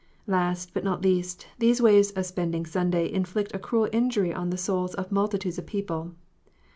Last, but not least, these ways of spending Sunday inflict a cruel injury on the souls of multitudes of people.